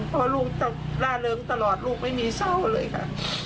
เพราะลูกต้องล่าเริงตลอดลูกไม่มีเศร้าเลยค่ะ